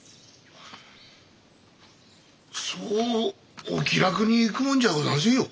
そうお気楽にいくもんじゃござんせんよ。